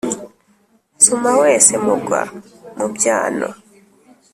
Nsuma wese mugwa mu byano,